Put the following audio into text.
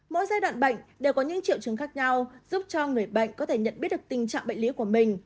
mỗi giai đoạn bệnh đều có những triệu chứng khác nhau giúp cho người bệnh có thể nhận biết được tình trạng bệnh lý của mình